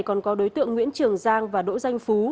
còn có đối tượng nguyễn trường giang và đỗ danh phú